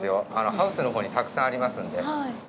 ハウスのほうにたくさんありますんで。